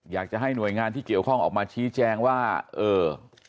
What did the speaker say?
อยากจะให้หน่วยงานที่เกี่ยวข้องออกมาชี้แจงว่าเออ